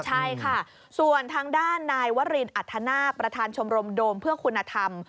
ใช่ค่ะส่วนทางด้านนายวรินอัธนาคประธานชมรมโดมเพื่อคุณธรรม